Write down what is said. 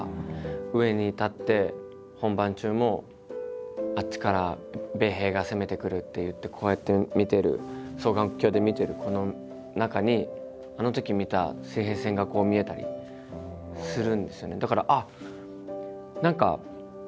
上に立って本番中もあっちから米兵が攻めてくるっていってこうやって見てる双眼鏡で見てるこの中にあのとき見た水平線がこう見えたりするんですよね。